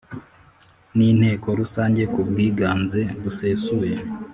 n Inteko Rusange ku bwiganze busesuye